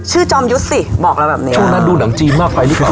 ชื่อจอมยุทธ์สิบอกแล้วแบบเนี้ยช่วงนั้นดูหนังจีนมากไปหรือเปล่า